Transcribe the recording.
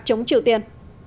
chống triều tiên